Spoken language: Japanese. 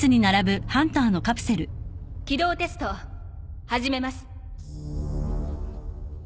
起動テスト始めます。